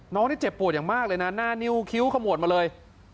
น้องนี่เจ็บปวดอย่างมากเลยนะหน้านิ้วคิ้วขมวดมาเลย